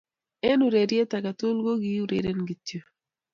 Eng urerenet age tugul kokiureren kityo